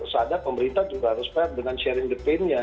saatnya pemerintah juga harus fair dengan sharing the paint nya